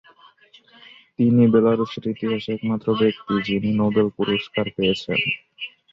তিনি বেলারুশের ইতিহাসে একমাত্র ব্যক্তি, যিনি নোবেল পুরস্কার পেয়েছেন।